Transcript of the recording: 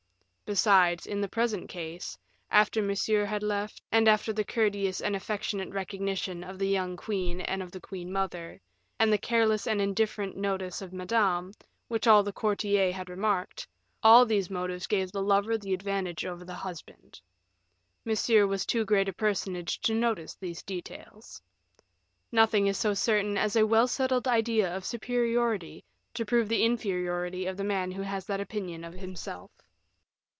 Besides, in the present case, after Monsieur had left, and after the courteous and affectionate recognition of the young queen and of the queen mother, and the careless and indifferent notice of Madame, which all the courtiers had remarked; all these motives gave the lover the advantage over the husband. Monsieur was too great a personage to notice these details. Nothing is so certain as a well settled idea of superiority to prove the inferiority of the man who has that opinion of himself.